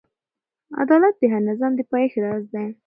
عدالت د هر نظام د پایښت راز دی.